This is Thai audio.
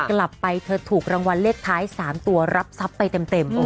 กลับไปเธอถูกรางวัลเลขท้าย๓ตัวรับทรัพย์ไปเต็ม